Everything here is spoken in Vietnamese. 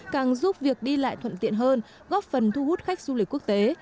càng giúp việc đi lại thuận tiện hơn góp phần thu hút khách du lịch quốc tế